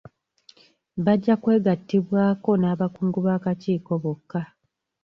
Bajja kwegatiibwaako n'abakungu b'akakiiko bokka.